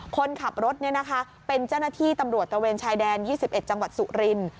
คนขับรถเป็นเจ้าหน้าที่ตำรวจตะเวนชายแดน๒๑จังหวัดสุรินทร์